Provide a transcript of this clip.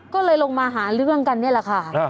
ก็เลยลงมาหาเรื่องกันนี่แหละค่ะ